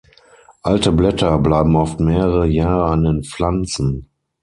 Alte Blätter bleiben oft mehrere Jahre an den Pflanzen.